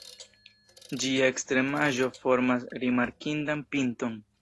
Ĝia ekstremaĵo formas rimarkindan pinton.